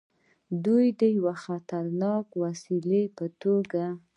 د یوې خطرناکې وسلې په توګه.